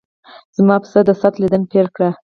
زما پسه د ساعت لیدنه پیل کړه.